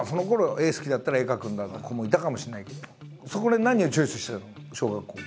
絵好きだったら絵描くんだって子もいたかもしれないけどそこで何をチョイスしてたの？小学校。